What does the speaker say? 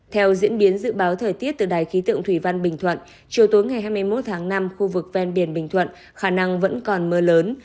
theo diễn biến dự báo thời tiết từ đài khí tượng thủy văn bình thuận chiều tối ngày hai mươi một tháng năm khu vực ven biển bình thuận khả năng vẫn còn mưa lớn